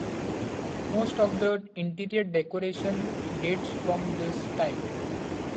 Most of the interior decoration dates from this time.